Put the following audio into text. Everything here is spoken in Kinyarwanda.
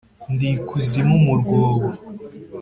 ndi ikuzimu mu rwobo;